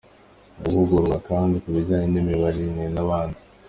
Bahugurwa kandi ku bijyanye n’imibanire n’abandi.